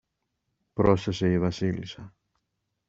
πρόσθεσε η Βασίλισσα.